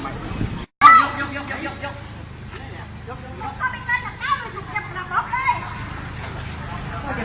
เมื่อ